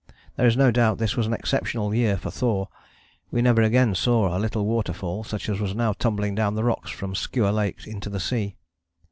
There is no doubt this was an exceptional year for thaw. We never again saw a little waterfall such as was now tumbling down the rocks from Skua Lake into the sea.